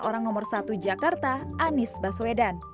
orang nomor satu jakarta anies baswedan